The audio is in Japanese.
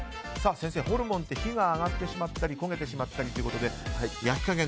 先生、ホルモンって火が上がってしまったり焦げてしまったりということで焼き加減